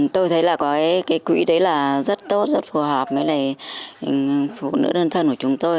tôi thấy là có cái quỹ đấy là rất tốt rất phù hợp với phụ nữ đơn thân của chúng tôi